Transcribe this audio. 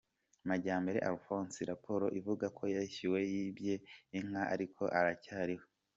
Majyambere Alphonse, raporo ivuga ko yishwe yibye inka ariko aracyariho